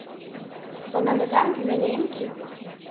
Sana neden güveneyim ki?